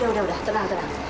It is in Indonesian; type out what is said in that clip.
udah udah tenang tenang